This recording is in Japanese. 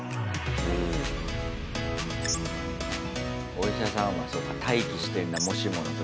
お医者さんはそうか待機してんだ、もしもの時。